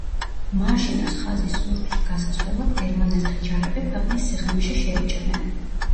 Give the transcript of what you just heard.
მაჟინოს ხაზის ზურგში გასასვლელად გერმანელთა ჯარები ქვეყნის სიღრმეში შეიჭრნენ.